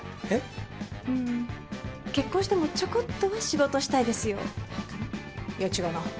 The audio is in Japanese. えっ？結婚してもちょこっとは仕事したいですよ。かな？